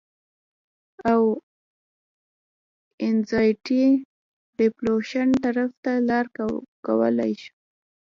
او انزائټي ډپرېشن طرف ته لار کولاو شي